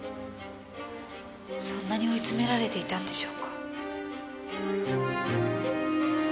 そんなに追い詰められていたんでしょうか。